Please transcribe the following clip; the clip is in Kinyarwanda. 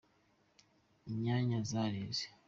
Inyanya zareze.